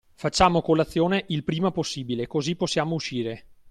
Facciamo colazione il prima possibile, così possiamo uscire.